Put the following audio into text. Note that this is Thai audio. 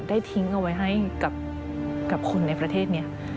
ทิ้งเอาไว้ให้กับคนในประเทศนี้